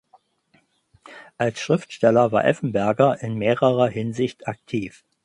Als Schriftsteller war Effenberger in mehrerer Hinsicht aktiv.